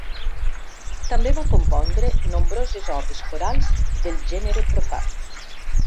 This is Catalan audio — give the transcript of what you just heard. També va compondre nombroses obres corals del gènere profà.